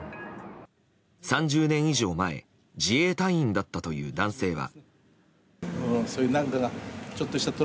３０年以上前自衛隊員だったという男性は。